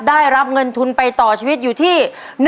ได้รับเงินทุนไปต่อชีวิตอยู่ที่